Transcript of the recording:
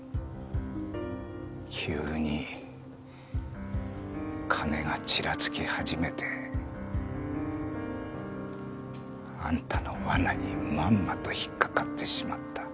急に金がチラつき始めてあんたの罠にまんまと引っかかってしまった。